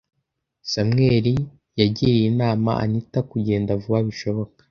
Samuel yagiriye inama Anita kugenda vuba bishoboka.